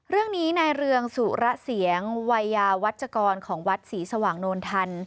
เรื่องนี้นายเรืองสุระเสียงวัยยาวัชกรของวัดศรีสว่างโนนทัน